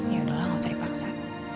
yaudah lah gak usah dipaksa